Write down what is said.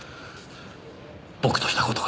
僕とした事が。